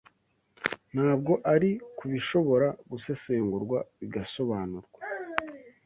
ntabwo ari ku bishobora gusesengurwa bigasobanurwa.